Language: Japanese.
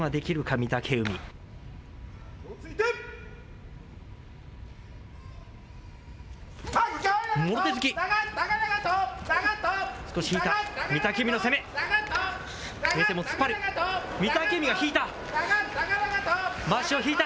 御嶽海が引いた。